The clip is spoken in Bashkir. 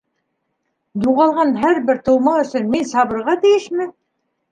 Юғалған һәр бер тыума өсөн мин сабырға тейешме?